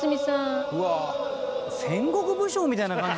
「戦国武将みたいな感じ」